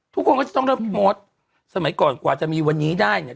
ทุกคนก็จะต้องเริ่มมดสมัยก่อนกว่าจะมีวันนี้ได้เนี่ย